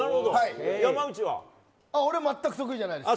俺全く得意じゃないです。